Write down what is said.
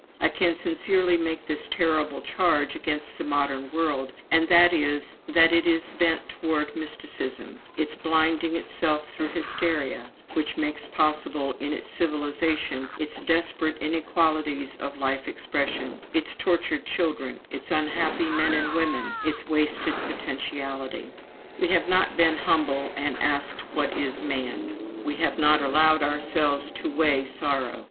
I can sincerely make this terrible charge against the modern world, and that is, that it is its bent towards mysticism, its blinding itself through hysteria, which makes possible in its civilization its desperate inequalities of life expression, its tortured children, its unhappy men and women, its wasted potentiality. We have not been humble and asked what is man; we have not allowed ourselves to weigh sorrow.